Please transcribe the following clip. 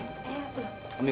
ayah aku mau ke mana